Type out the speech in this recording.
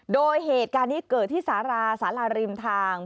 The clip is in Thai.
โดยเหตุการณ์นี้เกิดที่สาราสาราริมทาง